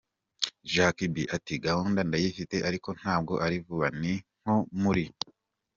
Jack B ati ”Gahunda ndayifite ariko ntabwo ari vuba, ni nko muri ”.